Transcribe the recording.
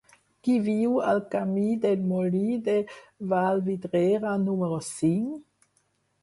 Qui viu al camí del Molí de Vallvidrera número cinc?